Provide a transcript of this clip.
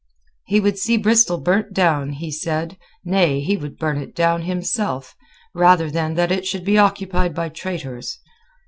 He would see Bristol burnt down, he said, nay, he would burn it down himself, rather than that it should be occupied by traitors.